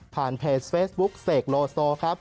ผ่านเพจเฟสบุ๊คเสกโลโซล